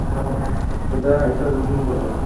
এটা একটা রুটিন বটে!